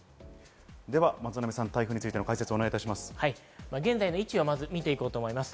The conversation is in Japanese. では松並さん、台風について解説をお願いします。